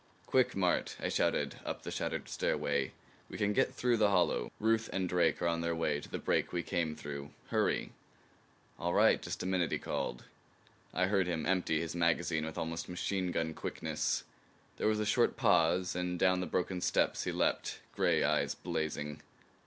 "Quick, Mart!" I shouted up the shattered stairway. "We can get through the hollow. Ruth and Drake are on their way to the break we came through. Hurry!" "All right. Just a minute," he called. I heard him empty his magazine with almost machine gun quickness. There was a short pause, and down the broken steps he leaped, gray eyes blazing.